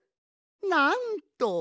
なんと！